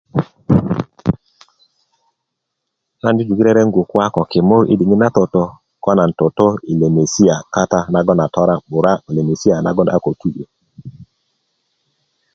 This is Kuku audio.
nan jujukin rerengu kuwa ko kimur i diŋit na toto ko nan toto i lemesia kata nagon a tora 'bura lemesia nagon a ko tu'yo